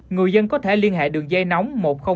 người dân có thể liên hệ đường dây nóng